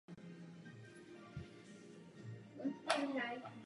Následovala povídka "Láska k básníkovi" a román "První Češka".